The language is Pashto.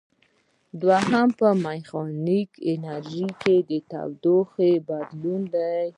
دوهم په میخانیکي انرژي د تودوخې بدلول دي.